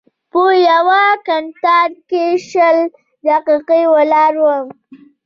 په یوه کتار کې شل دقیقې ولاړ وم.